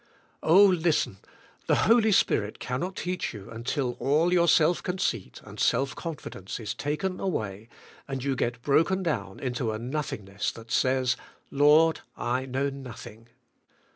Oh listen, the Holy Spirit cannot teach you until all your self conceit and self confidence is taken away and you get broken down into a nothingness that says, Lord, I know nothing.